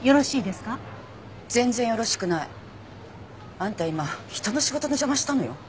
あんた今人の仕事の邪魔したのよ。